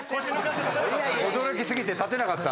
驚き過ぎて立てなかった？